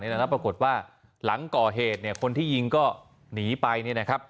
ปรากฏว่าหลังก่อเหตุคนที่ยิงก็หนีไป